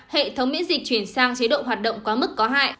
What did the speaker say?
hệ thống miễn dịch chuyển sang chế độ hoạt động quá mức có hại